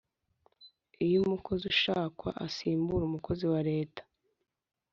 iyo umukozi ushakwa asimbura umukozi wa leta